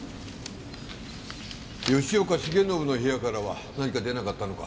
吉岡繁信の部屋からは何か出なかったのか？